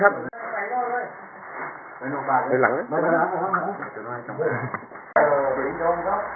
โทรพลังมาเลย